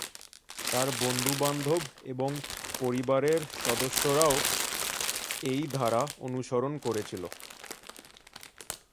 তার বন্ধুবান্ধব এবং পরিবারের সদস্যরাও এই ধারা অনুসরণ করেছিল।